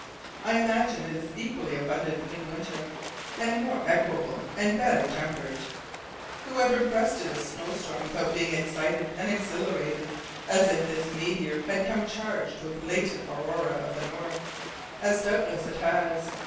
I imagine it is equally abundant in winter, and more equable and better tempered. Who ever breasted a snowstorm without being excited and exhilarated, as if this meteor had come charged with latent aurorae of the North, as doubtless it has?